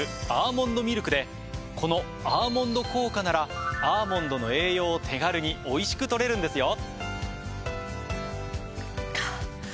この「アーモンド効果」ならアーモンドの栄養を手軽においしく取れるんですよ。